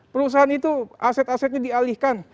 perusahaan itu aset asetnya dialihkan